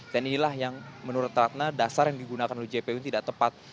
dan inilah yang menurut ratna dasar yang digunakan oleh jpu ini tidak tepat